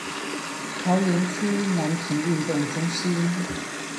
桃園區南平運動中心